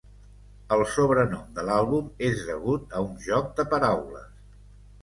El sobrenom de l'àlbum és degut a un joc de paraules.